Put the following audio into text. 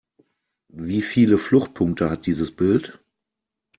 Wie viele Fluchtpunkte hat dieses Bild?